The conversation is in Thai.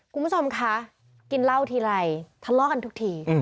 คุณผู้ชมคะกินเหล้าทีไรทะเลาะกันทุกที